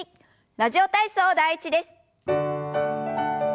「ラジオ体操第１」です。